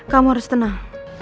kamu harus tenang